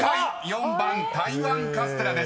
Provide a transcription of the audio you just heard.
４番「台湾カステラ」です］